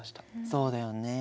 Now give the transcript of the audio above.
そうだよね。